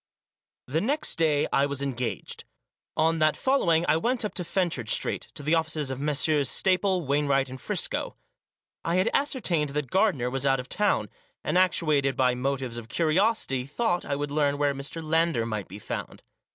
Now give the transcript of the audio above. The next day I was engaged. On that following I went up to Fenchurch Street, to the offices of Messrs. Staple, Wainwright and Friscoe. I had ascertained that Gardiner was out of town, and actuated by motives of curiosity thought I would learn where Mr. Lander might be found.